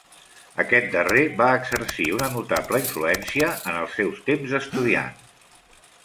Aquest darrer va exercir una notable influència en els seus temps d'estudiant.